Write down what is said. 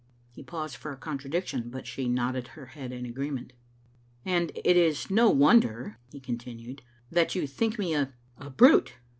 He paused for a contradiction, but she nodded her head in agreement. " And it is no wonder," he continued, " that you think me a — a brute."